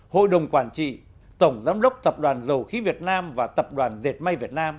hội đồng quản trị tổng giám đốc tập đoàn dầu khí việt nam và tập đoàn dệt may việt nam